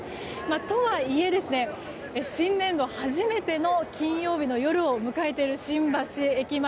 とはいえ、新年度初めての金曜日の夜を迎えている新橋駅前。